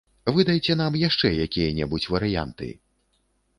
Выдайце нам яшчэ якія-небудзь варыянты!